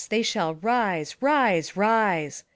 they shall rise, rise, rise!